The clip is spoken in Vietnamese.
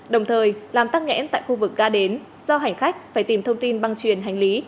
đồng thời làm tắc nghẽn tại khu vực ga đến do hành khách phải tìm thông tin băng truyền hành lý